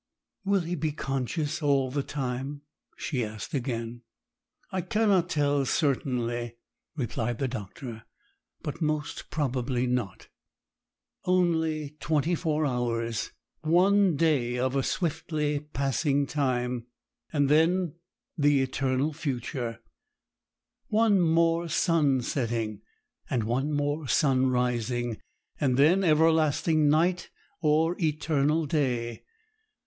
'Will he be conscious all the time?' she asked again. 'I cannot tell certainly,' replied the doctor, 'but most probably not.' Only twenty four hours! One day of swiftly passing time, and then the eternal future! One more sun setting, and one more sun rising, and then everlasting night, or eternal day!